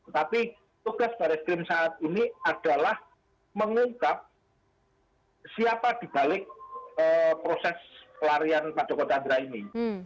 tapi tugas baris krim saat ini adalah mengungkap siapa dibalik proses pelarian pak joko chandra ini